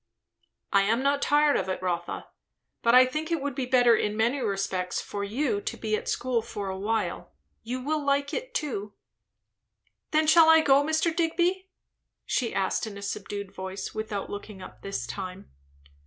"I am not tired of it, Rotha; but I think it would be better in many respects for you to be at school for a while. You will like it, too." "When shall I go, Mr. Digby?" she asked in a subdued voice, without looking up this time.